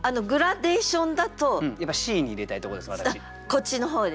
こっちの方ですね